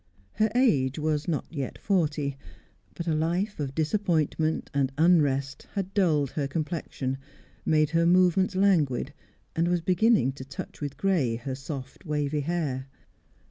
Her age was not yet forty, but a life of disappointment and unrest had dulled her complexion, made her movements languid, and was beginning to touch with grey her soft, wavy hair.